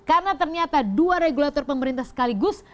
karena ternyata dua regulator pemerintah sekaligus